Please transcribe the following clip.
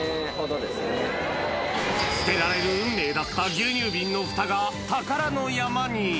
捨てられる運命だった牛乳瓶のふたが宝の山に。